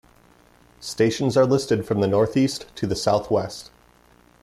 Stations are listed from the northeast to the southwest.